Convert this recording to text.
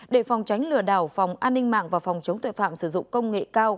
để phòng tránh lừa đảo phòng an ninh mạng và phòng chống tội phạm sử dụng công nghệ cao